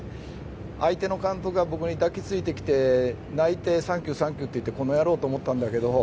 相手の監督が僕に抱きついてきて泣いて、サンキューサンキューって言ってこの野郎と思ったんだけど。